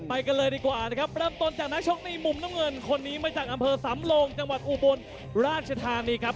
ไปกันเลยดีกว่านะครับเริ่มต้นจากนักชกในมุมน้ำเงินคนนี้มาจากอำเภอสำโลงจังหวัดอุบลราชธานีครับ